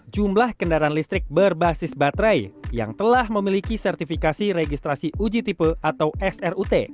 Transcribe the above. jumlah kendaraan listrik berbasis baterai yang telah memiliki sertifikasi registrasi uji tipe atau srut